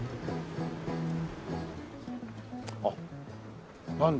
あっなんだ！